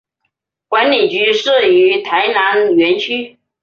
管理局设于台南园区。